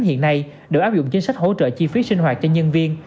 hiện nay đều áp dụng chính sách hỗ trợ chi phí sinh hoạt cho nhân viên